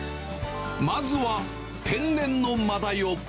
まずは天然のマダイを。